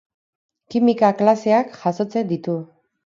Kimika klaseak jasotzen ditu.